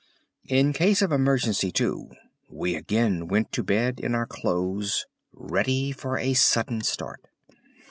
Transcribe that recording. In case of emergency, too, we again went to bed in our clothes, ready for a sudden start.